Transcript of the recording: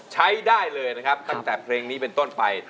ใช้ได้เลยนะครับตั้งแต่เพลงนี้เป็นต้นไป